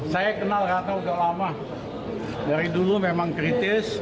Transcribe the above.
saya kenal ratna udah lama dari dulu memang kritis